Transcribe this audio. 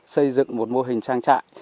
xây dựng một mô hình trang trại